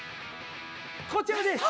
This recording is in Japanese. こちらです！